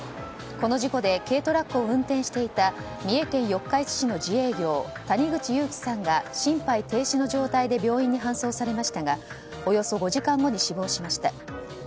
この事故で軽トラックを運転していた三重県四日市市の自営業谷口勇喜さんが心肺停止の状態で病院に搬送されましたがおよそ５時間後に死亡しました。